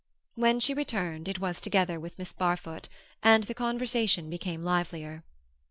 When she returned it was together with Miss Barfoot, and the conversation became livelier.